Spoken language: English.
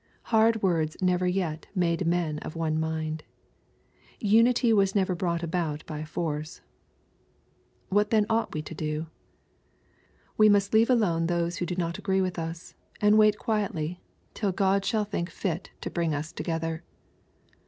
Hard words never yet made men of one mind. Unity was never yet brought about by force. — What then ought we to do ? We must leave alone those who do not agree with us, and wait quietly till Qod shall think 830 BXPOsrroBT thoughts. fit to bring us together.